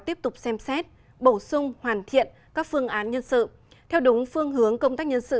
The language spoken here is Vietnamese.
tiếp tục xem xét bổ sung hoàn thiện các phương án nhân sự theo đúng phương hướng công tác nhân sự